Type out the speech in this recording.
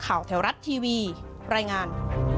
ข่าวแถวรัตน์ทีวีรายงาน